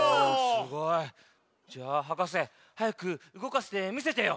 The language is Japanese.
すごい。じゃあはかせはやくうごかしてみせてよ。